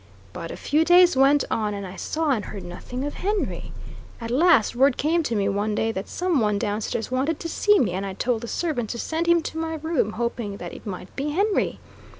But a few days went on and I saw and heard nothing of Henry. At last word came to me one day that some one down stairs wanted to see me and I told the servant to send him to my room, hoping that it might be Henry.